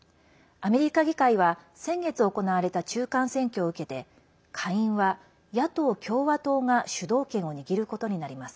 アメリカ議会は先月行われた中間選挙を受けて下院は、野党・共和党が主導権を握ることになります。